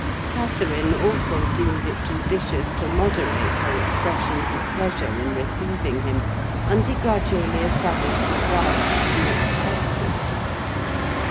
Catherine, also, deemed it judicious to moderate her expressions of pleasure in receiving him; and he gradually established his right to be expected.